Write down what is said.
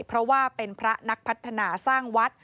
เพราะว่าเป็นพระนักพัฒนาสร้างวัด